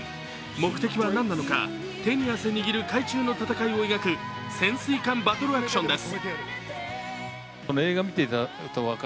目的は何なのか、手に汗握る海中の戦いを描く潜水艦バトルアクションです。